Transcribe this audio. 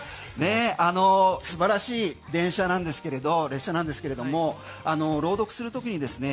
素晴らしい電車なんですけれど朗読するときにですね